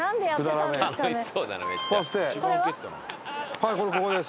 はいこれここです。